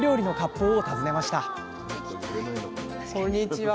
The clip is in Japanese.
こんにちは。